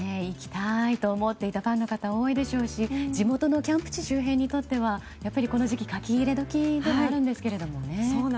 行きたいと思っていたファンの方、多いでしょうし地元のキャンプ地周辺にとってはこの時期書き入れ時でもあるんですけれどもね。